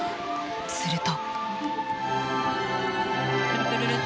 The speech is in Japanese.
すると。